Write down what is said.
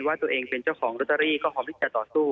ว่าตัวเองเป็นเจ้าของลอตเตอรี่ก็พร้อมที่จะต่อสู้